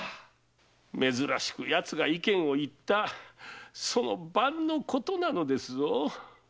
珍しく奴が意見を言ったその晩のことなのですぞ。